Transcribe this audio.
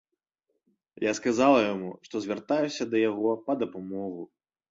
Я сказала яму, што звяртаюся да яго па дапамогу.